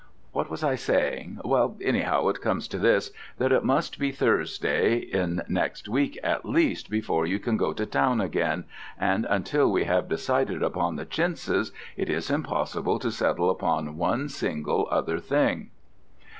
What was I saying? Well, anyhow it comes to this, that it must be Thursday in next week at least, before you can go to town again, and until we have decided upon the chintzes it is impossible to settle upon one single other thing."